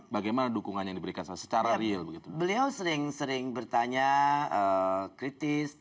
bagaimana dukungan yang diberikan secara real begitu beliau sering sering bertanya kritis